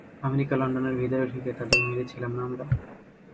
America, লন্ডনের ভিতরে ঢুকে তাদের মেরেছিলাম না আমরা?